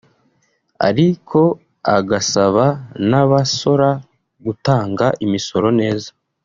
ariko agasaba n’abasora gutanga imisoro neza